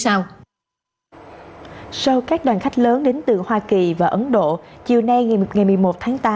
sau các đoàn khách lớn đến từ hoa kỳ và ấn độ chiều nay ngày một mươi một tháng tám